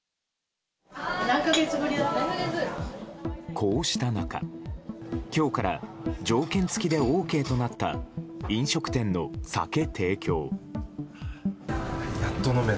こうした中今日から条件付きでＯＫとなった飲食店の酒提供。